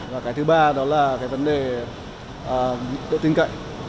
và cái thứ ba đó là cái vấn đề độ tin cậy